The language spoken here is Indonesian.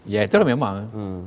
ya itu memang